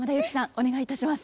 お願いいたします。